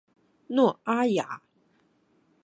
诺阿亚。